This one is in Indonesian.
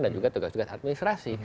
dan juga tugas tugas administrasi